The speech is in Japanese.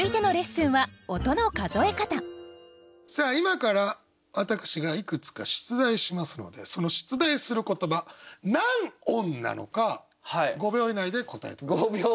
さあ今から私がいくつか出題しますのでその出題する言葉何音なのか５秒以内で答えて下さい。